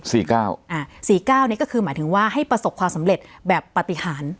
อ่าสี่เก้านี่ก็คือหมายถึงว่าให้ประสบความสำเร็จแบบปฏิหาร